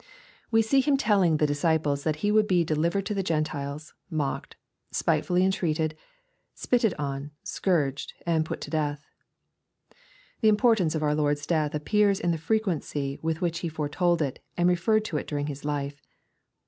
We see Him telling the disciples that He would be "delivered to the Gentiles, mocked, spitefully en treated, spitted on, scourged, and put to death." The importance of our Lord's death appears in the frequency with which He foretold it, and referred to it during His life.